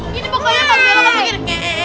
gini pokoknya pas belakang begini